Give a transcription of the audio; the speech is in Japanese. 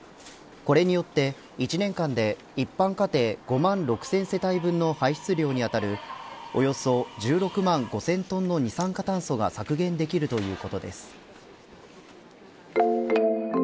これによって１年間で一般家庭５万６０００世帯分の排出量にあたるおよそ１６万５０００トンの二酸化炭素が削減できるということです。